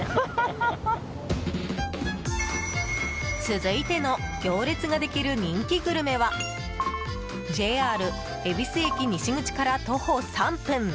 続いての行列ができる人気グルメはＪＲ恵比寿駅西口から徒歩３分。